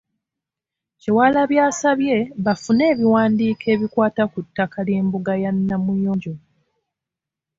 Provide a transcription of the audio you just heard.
Kyewalabye asabye bafune ebiwandiiko ebikwata ku ttaka ly'embuga ya Namuyonjo.